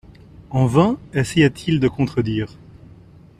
En vain essaya-t-il de contredire.